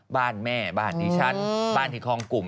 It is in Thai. บ้านแม่บ้านดิฉันบ้านที่คลองกลุ่ม